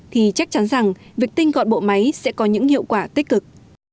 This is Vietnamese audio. thì chắc chắn rằng việc tinh gọn bộ máy sẽ có những hiệu quả tích cực